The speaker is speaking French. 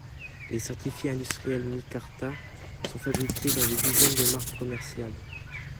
Les stratifiés industriels Micarta sont fabriqués dans des dizaines de marques commerciales.